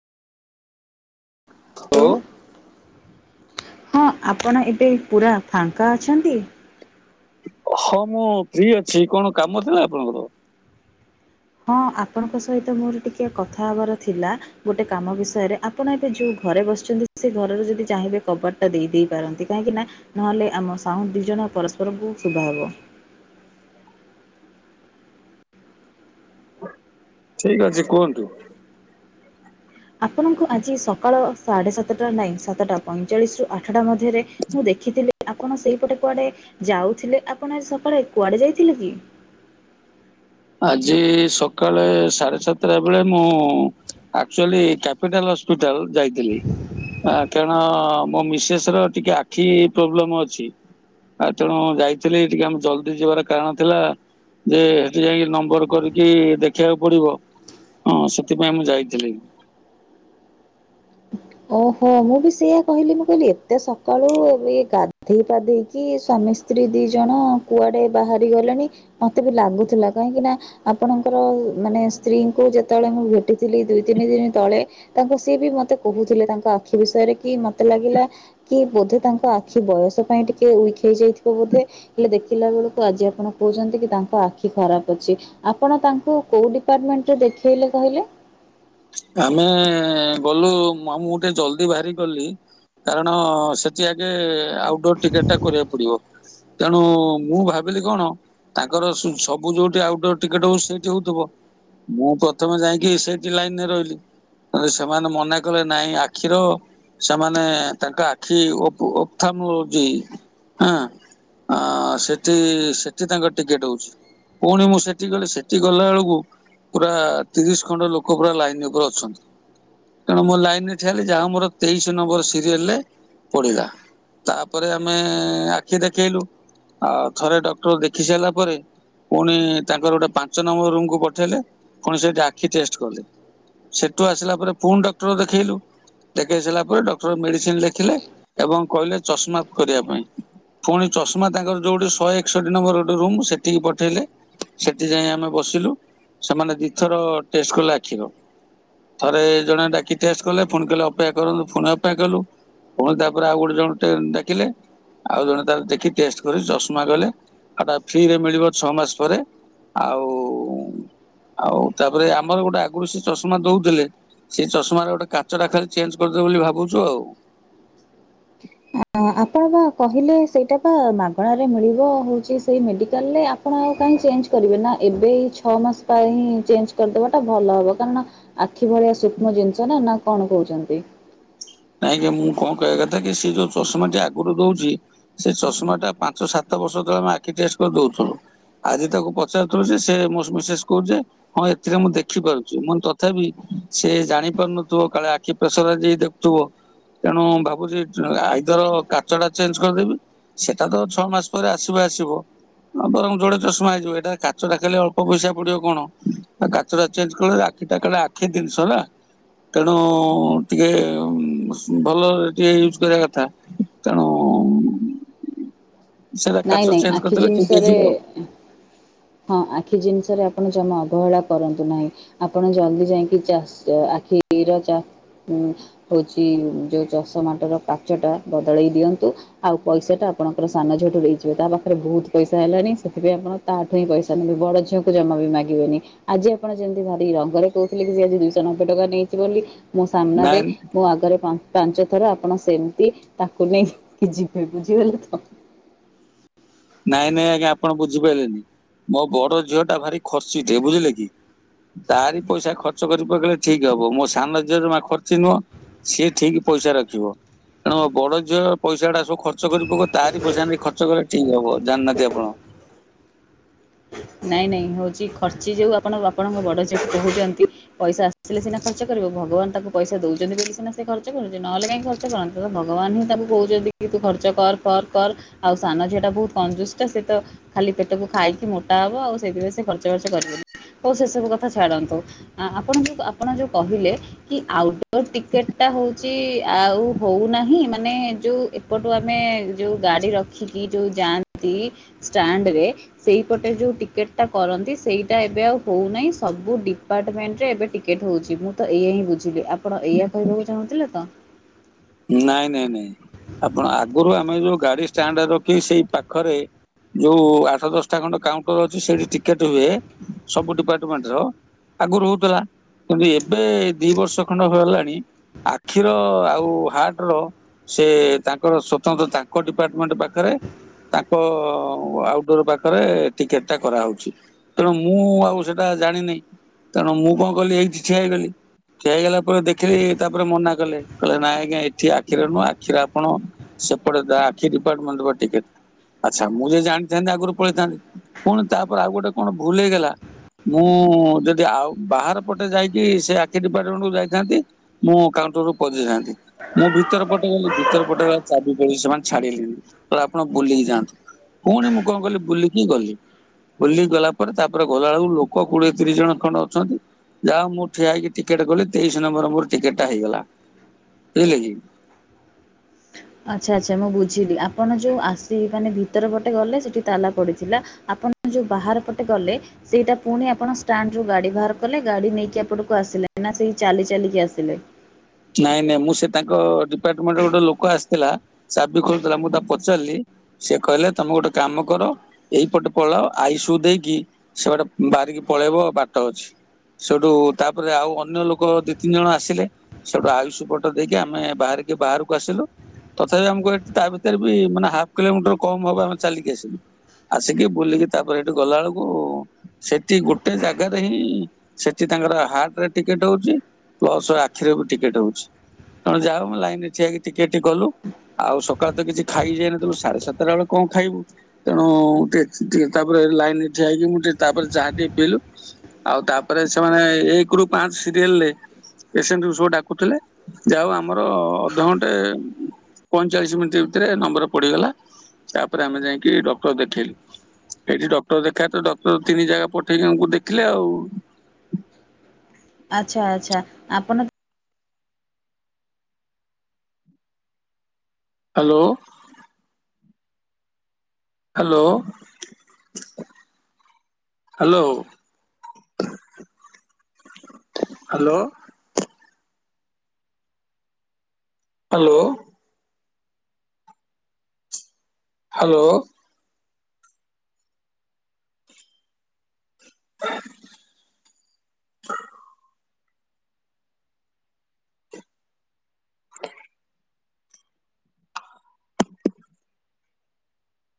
Hello. ହଁ ଆପଣ ଏବେ ପୁରା ଫାଙ୍କା ଅଛନ୍ତି? ହଁ ମୁଁ ଫ୍ରି ଅଛି କଣ କାମ ଥିଲା ଆପଣଙ୍କର? ହଁ ଆପଣଙ୍କ ସହିତ ମୋର ଟିକିଏ କଥା ହେବାର ଥିଲା। ଗୋଟେ କାମ ବିଷୟରେ ଆପଣ ଏବେ ଯୋଉ ଘରେ ବସିଛନ୍ତି ସେ ଘରରେ ଯଦି ଚାହିଁବେ କବାଟ ଟା ଦେଇ ଦେଇପାରନ୍ତି କାହିଁକି ନା ନହେଲେ ଆମ ସାଉଣ୍ଡୁ ଦୁଇଜଣ ପରସ୍ପରକୁ ଶୁଭା ହେବ। ଠିକ୍ ଅଛି କୁହନ୍ତୁ। ଆପଣଙ୍କୁ ଆଜି ସକାଳ ସାଢ଼େ ସାତଟା ନାଇଁ ସାତଟା ପଇଁଚାଳିଶି ରୁ ଆଠଟା ମଧ୍ୟ ମଧ୍ୟରେ ରେ ମୁଁ ଦେଖିଥିଲି। ଆପଣ ସେଇପଟେ କୁଆଡ଼େ ଯାଉଥିଲେ ଆପଣ ଆଜି ସକାଳେ କୁଆଡ଼େ ଯାଇଥିଲେ କି? ଆଜି ସକାଳେ ସାଢେ଼ ସାତଟା ବେଳେ ମୁଁ ଆକ୍ଚୁଲି କା କ୍ୟାପିଟାଲ ହସ୍ପିଟାଲ୍ ଯାଇଥିଲି ଆ କାରଣ ମୋ ମିସେସ୍ ର ଟିକେ ଆଖି ପ୍ରୋବ୍ଲେମ୍ ଅଛି। ଆଉ ତେଣୁ ଯାଇଥିଲି ଟିକେ ଆମେ ଜଲଦି ଯିବାର କାରଣ ଥିଲା ଯେ ସେଠି ଯାଇକି ନମ୍ବର କରିକି ଦେଖିବାକୁ ପଡ଼ିବ ହଁ ସେଥିପାଇଁ ମୁଁ ଯାଇଥିଲି। ଓହୋ ମୁଁ ବି ସେଇଆ କହିଲି ମୁଁ କହିଲି ଏତେ ସକାଳୁ ଇଏ ଗାଧେଇ ପାଧେଇ କି ସ୍ୱାମୀ ସ୍ତ୍ରୀ ଦି ଜଣ କୁଆଡ଼େ ବାହାରି ଗଲେଣି ମତେ ବି ଲାଗୁଥିଲା କାହିଁକି ନା ଆପଣଙ୍କର ମାନେ ସ୍ତ୍ରୀ ଙ୍କୁ ଯେତେବେଳେ ମୁଁ ଭେଟିଥିଲି ଦୁଇ ତିନି ଦିନି ତଳେ ତାଙ୍କୁ ସିଏ ବି ମତେ କହୁଥିଲେ ତାଙ୍କ ଆଖି ବିଷୟରେ କି ମତେ ଲାଗିଲା କି ବୋଧେ ତାଙ୍କ ଆଖି ବୟସ ପାଇଁ ଟିକେ ଉଇକି ହେଇ ଯାଇଥିବ ବୋଧେ। ହେଲେ ଦେଖିଲା ବେଳକୁ ଆଜି ଆପଣ କହୁଛନ୍ତି କି ତାଙ୍କ ଆଖି ଖରାପ୍ ଅଛି। ଆପଣ ତାଙ୍କୁ କୋଉ ଡିପାର୍ଟମେଣ୍ଟ୍ ରେ ଦେଖେଇଲେ କହିଲେ? ଆମେ ଗଲୁ ମୁଁ ଟିକେ ଜଲଦି ବାହାରିକି ଗଲି। କାରଣ ସେଠି ଆଗେ ଆଉଟ୍ ଡୋର୍ ଟିକେଟ୍ ଟା କରିବାକୁ ପଡ଼ିବ। ତେଣୁ ମୁଁ ଭାବିଲି କଣ ତାଙ୍କର ସବୁ ଯୋଉଠି ଆଉଟ୍ ଡୋର୍ ଟିକେଟ୍ ହଉଛି ସେଇଠି ହଉଥିବ। ମୁଁ ପ୍ରଥମେ ଯାଇକି ସେଇଠି ଲାଇନ୍ ରେ ରହି ସେମାନେ ମନେ କଲେ ନାଇଁ ଆଖିର ସେମାନେ ତାଙ୍କ ଆଖି [unintelligible] ଆଁ ଆଁ ସେଠି ସେଠି ତାଙ୍କ ଟିକେଟ୍ ହଉଛି। ପୁଣି ମୁଁ ସେଠି ଗଲି ସେଠି ଗଲା ବେଳକୁ ପୁରା ତିରିଶି ଖଣ୍ଡେ ଲୋକ ପୁରା ଲାଇନ୍ ଆଗରୁ ଅଛନ୍ତି। ତେଣୁ ମୁଁ ଲାଇନ୍ ରେ ଠିଆ ହେଲି ଯାହାହଉ ମୋର ତେଇଶି ନମ୍ବର ସିରିଏଲ ରେ ପଡି଼ଲା। ତାପରେ ଆମେ ଆଖି ଦେଖେଇଲୁ ଆଉ ଥରେ ଡକ୍ଟର ଦେଖି ସାରିଲା ପରେ ପୁଣି ତାଙ୍କର ଗୋଟେ ପାଞ୍ଚ ନମ୍ବର ରୁମ୍‌ କୁୁ ପଠେଇଲେ ପୁଣି ସେଇଠି ଆଖି ଟେଷ୍ଟ୍ କଲେ। ସେଠୁ ଆସିଲା ପରେ ପୁଣି ଡକ୍ଟର ଦେଖେଇଲୁ। ଦେଖେଇ ସାରିଲା ପରେ ଡକ୍ଟର ମେଡ଼ିସିନ୍ ଲେଖିଲେ ଏବଂ କହିଲେ ଚଷମା କରିବା ପାଇଁ। ପୁଣି ଚଷମା ତାଙ୍କର ଯୋଉଠି ଶହେ ଏକଷଠି ନମ୍ବର ଗୋଟେ ରୁମ୍ ସେଠିକି ପଠେଇଲେ। ସେଠି ଯାଇଁ ଆମେ ବସିଲୁ ସେମାନେ ଦିଥର ଟେଷ୍ଟ୍ କଲେ ଆଖିର। ଥରେ ଜଣେ ଡା଼କି ଟେଷ୍ଟ୍ କଲେ ପୁଣି କହିଲେ ଅପେକ୍ଷା କରନ୍ତୁ ପୁଣି ଅପେକ୍ଷା କଲୁ। ପୁଣି ତାପରେ ଆଉ ଗୋଟେ ଜଣ ଟେ ଦେଖିଲେ। ଆଉ ଜଣେ ତାର ଦେଖି ଟେଷ୍ଟ୍ କରି ଚଷମା କହିଲେ [unintelligible] ମିଳିବ ଛଅ ମାସ ପରେ। ଆଉ ଆଉ ତାପରେ ଆମର ଗୋଟେ ଆଗରୁ ସେ ଚଷ ଚଷମା ଦଉଥିଲେ ସେଇ ଚଷମାରେ ଗୋଟେ କାଚ ଟେ ଖାଲି ଚେଞ୍ଜ କରିଦେବେ ବୋଲି ଭାବୁଛୁ ଆଉ। ଆପଣ ବା କହିଲେ ସେଇଟା ପା ମାଗଣାରେ ମିଳିବ ହେଉଛି ସେଇ ମେଡ଼ିକାଲରେ ଆ ଆପଣ ଆଉ କାହିଁ ଚେଞ୍ଜ କରିବେ ନା ଏବେ ଛଅ ମାସ ପାଇଁଁ ଚେଞ୍ଜ କରିଦେବାଟା ଭଲ ହେବ କାରଣ ଆଖି ଭଳିଆ ସୂକ୍ଷ୍ମ ଜିନିଷ ନା ନା କଣ କହୁଛନ୍ତି? ନାଇଁ ଆଜ୍ଞା ମୁଁ କଣ କହିବା କଥା କି ସେ ଯୋଉ ଚଷମା ଟି ଆଗରୁ ଦଉଛି ସେ ଚଷମା ଟା ପାଞ୍ଚ ସାତ ବର୍ଷ ତଳେ ଆମେ ଆଖି ଟେଷ୍ଟ କରି ଦଉଥିଲୁ। ଆଜି ତାକୁ ପଚାରୁଥିଲି ଯେ ସେ ମୋ ମିସେସ୍ କହୁଛି ଯେ ହଁ ଏଥିରେ ମୁଁ ଦେଖିପାରୁଛି ମୁଁ ତଥାପି ସେ ଜାଣିପାରୁନଥିବ କାଳେ ଆଖି ପ୍ରସର [unintelligible] ତୁ ତେଣୁ ଭାବୁଛି ଆଇଦର କାଚ ଟା ଚେଞ୍ଜ କରିଦେବି। ସେଟା ତ ଛଅ ମାସ ପରେ ଆସିବ ଆସିବ। ବରଂ ଜୋଡେ ଚଷମା ହେଇଯିବ ଏଟା କାଚଟା ଖାଲି ଅଳ୍ପ ପଇସା ପଡିବ କଣ କାଚଟା ଚେଞ୍ଜ କଲେ ସେଟା କହିଲା ଆଖି ଜିନିଷ ନା ତେଣୁ ଟିକେ ଭଲରେ ଟିକେ ୟୁଜ କରିବା କଥା ତେଣୁ ସେଟା କାଚ ନାଇଁ ନାଇଁ ଚେଞ୍ଜ ଆଖି କରିଦେଲେ ଠିକ ଜିନିଷରେ ହେଇଯିବ ଆଉ ହଁ ଆଖି ଜିନିଷରେ ଆପଣ ଜମା ଅବହେଳା କରନ୍ତୁ ନାହିଁ। ଆପଣ ଜଲଦି ଯାଇକି ଚାଷ ଆଖିର ହଉଛି ଯୋଉ ଚଷମାଟାର କାଚ ଟା ବଦଳେଇ ଦିଅନ୍ତୁ। ଆଉ ପଇସାଟା ଆଣଙ୍କ ସାନ ଝିଅଠୁ ଦେଇ ଏବେ ତା ପାଖରେ ବହୁତ ପଇସା ହେଲାଣି। ସେଥିପାଇଁ ଆପଣ ତାଠୁ ହିଁ ପଇସା ନେବେ। ବଡ଼ ଝିଅକୁ ଜମା ବି ମାଗିବେନି। ଆଜି ଆପଣ ଯେମିତି ଭାରି ରଙ୍ଗରେ କହୁଥିଲେ। କି ସେ ଆଜି ଦୁଇଶହ ନବେ ଟଙ୍କା ନେଇଛି ବୋଲି ମୋ ସାମ୍ନାରେ ନାଇଁ ମୁଁ ଆଗରେ ପା ପାଞ୍ଚ ଥର ଆପଣ ସେମିତି ତାକୁ ନେଇକି ଯିବେ ବୁଝିଗଲେ ତ। ନାଇଁ ନାଇଁ ଆଜ୍ଞା ଆପଣ ବୁଝିପାରିଲେନି ମୋ ବଡ ଝିଅ ଟା ଭାରି ଖର୍ଚିଟେ ବୁଝିଲେ କି। ତାରି ପଇସା ଖର୍ଚ୍ଚ ଖର୍ଚ୍ଚ କରି ପେକଇଲେ ଠିକ ହବ ମୋ ସାନ ଝିଅ ଜମା ଖର୍ଚ୍ଚ ନୁହ ସିଏ ଠିକ ପଇସା ରଖିବ। ତେଣୁ ମୋ ବଡ ଝିଅ ପଇସା ଟା ସବୁ ଖର୍ଚ୍ଚ କରି ପକେଇବ ତାରି ପଇସା ନେଇ ଖର୍ଚ କଲେ ଠିକ ହବ ଜାଣିନାହାନ୍ତି ଆପଣ। ନାଇଁ ନାଇଁ ହେଉଛି ଖର୍ଚ୍ଚି ଯଉ ଆପଣ ଆପଣଙ୍କ ବଡ଼ ଝିଅକୁ କହୁଛନ୍ତି। ପଇସା ଆସିଥିଲେ ସିନା ଖର୍ଚ୍ଚ କରିବ ଭଗବାନ ତାକୁ ପଇସା ଦଉଛନ୍ତି ବୋଲି ସିନା ସେ ଖର୍ଚ୍ଚ କରୁଛନ୍ତି ନଲେ କାହିଁ ଖର୍ଚ୍ଚ ଖର୍ଚ୍ଚ କରନ୍ତୁ ତ ଭଗବାନ ହିଁ ତାକୁ କହୁଛନ୍ତି କି ତୁ ଖର୍ଚ୍ଚ କର କର କର। ଆଉ ସାନ ଝିଅଟା ବହୁତ କନଜୁଷ ସେ ତ ଖାଲି ପେଟକୁ ଖାଇକି ମୋ ଟା ହବ ଆଉ ସେଇଥିପାଇଁ ସେ ଖର୍ଚ୍ଚ ବାର୍ଚ୍ଚ କରିବନି ଆଉ ସେ ସବୁ କଥା ଛାଡ଼ନ୍ତୁ। ଆ ଆପଣ, ଯୋଉ ଆପଣ ଯୋଉ କହିଲେ। କି ଆଉଟଡୋର ଟିକେଟ ଟା ହଉଛି ଆଉ ହଉନାହିଁ ମାନେ ଯୋଉ ଏପଟୁ ଆମେ ଯୋଉ ଗାଡି ରଖିକି ଯୋଉ ଯାଆନ୍ତି ଷ୍ଟାଣ୍ଡରେ ସେଇ ପଟେ ଯୋଉ ଟିକେଟ ଟା କରନ୍ତି ସେଇଟା ଏବେ ଆଉ ହଉନାହିଁ ସବୁ ଡିପାର୍ଟମେଣ୍ଟ ରେ ଏବେ ଟିକେଟ ହେଉଛି ମୁଁ ତ ଏଇଆ ହିଁ ବୁଝିଲି ଆପଣ ଏଇଆ କହିବାକୁ ଚାହୁଁଥିଲେ ତ ନାଇଁ ନାଇଁ ନାଇଁ ଆପଣ ଆଗରୁ ଆମେ ଯୋଉ ଗାଡିଷ୍ଟାଣ୍ଡ ରଖି ସେଇ ପାଖରେ ଯୋଉ ଆଠ ଦଶଟା ଖଣ୍ଡ କାଉଣ୍ଟର ଅଛି ସେଇଠି ଟିକେଟ ହୁଏ ସବୁ ଡିପାର୍ଟମେଣ୍ଟ ର। ଆଗରୁ ହଉଥିଲା। କିନ୍ତୁ ଏବେ ଦି ବର୍ଷ ଖଣ୍ଡ ହେଲାଣି ଆଖିର ଆଉ ହାଟର ସେ ତାଙ୍କର ସ୍ଵତନ୍ତ୍ର ତାଙ୍କ ଡିପାର୍ଟମେଣ୍ଟ ପାଖରେ ତାଙ୍କ ଆଉଟଡୋର ପାଖରେ ଟିକେଟ ଟା କରାହେଉଛି। ତେଣୁ ମୁଁ ଆଉ ସେଟା ଜାଣିନି ତେଣୁ ମୁଁ କଣ କଲି ଏଇଠୀ ଠିଆ ହେଇଗଲି। ଠିଆ ହେଇଗଲା ପରେ ଦେଖିଲି ତାପରେ ମନା କଲେ କହିଲେ ନାଇଁ ଆଜ୍ଞା ଏଠି ଆଖିର ନୁହେଁ ଆଖିରେ ଆପଣ ସେପଟେ ଆଖି ଡିପାର୍ଟମେଣ୍ଟ ଟିକେ ଆଛା ମୁଁ ଯଦି ଜାଣିଥାନ୍ତି ଆଗରୁ ପଳେଇଥାନ୍ତି ପୁଣି ତାପରେ ଆଉ ଗୋଟେ କଣ ଭୁଲ ହେଇଗଲା। ମୁଁ ଯଦି ଆଉ ବାହାର ପଟେ ଯାଇକି ସେ ଆଖି ଡିପାର୍ଟମେଣ୍ଟକୁ ଯାଇଥାନ୍ତି ମୁଁ କାଉଣ୍ଟର ରୁ ପଦେଇଥାନ୍ତି। ମୁଁ ଭିତର ପଟେ ଗଲି ଭିତରେ ପଟେ ଗଲା ବେଳକୁ ଚାବି ପଡିଛି। ସେମାନେ ଛାଡିଲେଣିି କହିଲେ ଆପଣ ବୁଲିକି ଯାଆନ୍ତୁ। ପୁଣି ମୁଁ କଣ କଲି ବୁଲିକି ଗଲି। ବୁଲିିକି ଗଲା ପରେ ତାପରେ ଗଲାବେଳକୁ ଲୋକ କୋଡିଏ ତିରିଶ ଜଣ ଖଣ୍ଡ ଅଛନ୍ତି। ଯାହା ହଉ ମୁଁ ଠିଆ ହେକି ଟିକେଟ କଲି ତେଇଶି ନମ୍ବର ମୋର ଟିକେଟ ଟା ହେଇଗଲା। ଏଇଲେ କି? ଆଛା ଆଛା ମୁଁ ବୁଝିଲି ଆପଣ ଯେଉଁ ଆସି ମାନେ ଭିତର ପଟେ ଗଲେ ସେଇଠି ତାଲା ପଡ଼ିଥିଲା। ଆପଣ ଯୋଉ ବାହାର ପଟେ ଗଲେ। ସେଇଟା ପୁଣି ଆପଣ ଷ୍ଟାଣ୍ଡରୁ ଗାଡ଼ି ବାହାର କଲେ। ଗାଡ଼ି ନେଇକି ଏପଟକୁ ଆସିଲେ ନା ସେଇ ଚାଲି ଚାଲିକି ଆସିଲେ। ନାଇଁ ନାଇଁ ମୁଁ ସେ ତାଙ୍କ ଡିପାର୍ଟମେଣ୍ଟ ଗୋଟେ ଲୋକ ଆସିଥିଲା। ଚାବି ଖୋଲୁଥିଲା। ମୁଁ ତାକୁ ପଚାରିଲି ସେଏ କହିଲେ ତମେ ଗୋଟେ କାମ କର। ଏଇପଟେ ପଳଅ ଆଇ ସୁ ଦେଇକି ସେପଟେ ବାହାରିକି ପଳେଇବ ବାଟ ଅଛି। ସେଠୁ ତାପରେ ଆଉ ଅନ୍ୟ ଲୋକ ଦି ତିନି ଜଣ ଆସିଲେ। ସେଠୁ ଆୟୁଷ ପଟ ଦେଇକି ଆମେ ବାହାରିକି ବାହାରକୁ ଆସିଲୁ। ତଥାପି ଆମ କୁ ତା ଭିତରେ ବି ମାନେ ହାଫ୍ କିଲୋମିଟର କମ ହବ ଆମେ ଚାଲିକି ଆସିଲୁ। ଆସିକି ବୁଲିକି ତାପରେ ଏଠି ଗଲା ବେଳକୁ। ସେଠି ଗୋଟେ ଜାଗାରେ ହିଁ ସେଠି ତାଙ୍କର ହାର୍ଟ ରେ ଟିକେଟ ହଉଛି ପ୍ଲସ ଆଖିରେ ବି ଟିକେଟ ହଉଛି ତଣ ଯାହା ମୁ ଲାଇନ ରେ ଠିଆଇକି ଟିକେଟ କଲୁ। ଆଉ ସକାଳୁ ତ କିଛି ଖାଇ ଯାଇନଥିଲୁ ସାଢେ ସାତଟା ବେଳେ କଣ ଖାଇବୁ। ତେଣୁ ଟିକେ ଟିକେ ତାପରେ ଲାଇନ ଠିଆ ହେଇକି ମୁଁ ଟିକେ ତାପରେ ଟିକେ ପିଇଲୁ। ଆଉ ତାପରେ ସେମାନେ ଏକ ରୁ ପାଞ୍ଚ ସିରିଏଲରେ ପେସେଣ୍ଟୁ ର ସୋ ଅଟା। ଉଠିଲେଲେ ଯାାଉ ଆମର ଅଧଘଣ୍ଟେ। ପଇଁଚାଳିଶ ମିନିଟ ଭିତରେ ନମ୍ବର ପଡିଗଲା ତାପରେ ଆମେ ଯାଇକି ଡକ୍ଟର ଦେଖେଇଲୁ। ଏଇଠି ଡକ୍ଟର ଦେଖା ତ ଡକ୍ଟର ତିନି ଜାଗା ପଠେଇକି ଆମକୁ ଦେଖିଲେ ଆଉ। ଆଚ୍ଛା ଆଚ୍ଛା ଆପନ hello. Hello. Hello. Hello. Hello. Hello. [unintelligible] Good evening.